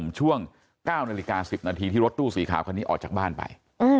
ช่วง๙นาฬิกา๑๐นาทีที่รถตู้สีขาวคันนี้ออกจากบ้านไป